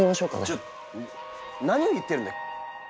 ちょっ何を言ってるんだ？